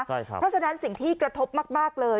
ใช่ครับเพราะฉะนั้นสิ่งที่กระทบมากมากเลย